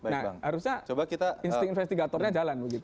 nah harusnya insting investigatornya jalan